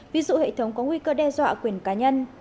ví dụ hệ thống có nguy cơ đe dọa quyền cá nhân